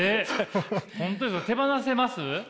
本当に手放せます？